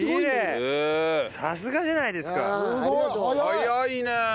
早いね。